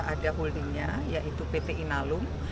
ada holdingnya yaitu pt inalum